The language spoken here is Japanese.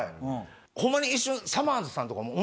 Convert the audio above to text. ホンマに一瞬さまぁずさんとかも。